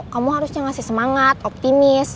kamu harusnya ngasih semangat optimis